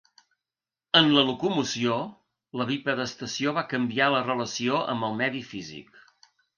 En la locomoció, la bipedestació va canviar la relació amb el medi físic.